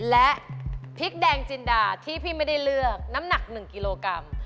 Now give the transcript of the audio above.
และพริกแดงจินดาที่พี่ไม่ได้เลือกน้ำหนัก๑กิโลกรัม